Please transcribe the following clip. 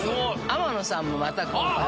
天野さんもまた今回も。